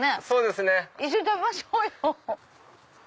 そうですね。